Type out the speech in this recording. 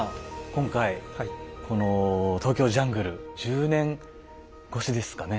今回この「ＴＯＫＹＯＪＵＮＧＬＥ」１０年越しですかね。